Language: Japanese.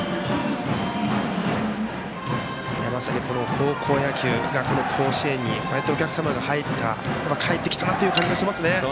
高校野球が甲子園に、こうやってお客様が入った、かえってきたなっていう感じがしますね。